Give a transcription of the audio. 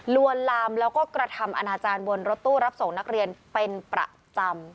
ลวนลามแล้วก็กระทำอนาจารย์บนรถตู้รับส่งนักเรียนเป็นประจำ